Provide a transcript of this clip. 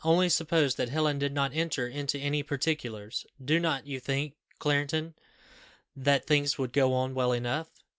Only suppose that Helen did not enter into any particulars, do not you think, Clarendon, that things would go on well enough?